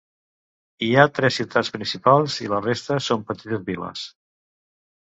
Hi ha tres ciutats principals i la resta són petites viles.